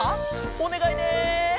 おねがいね！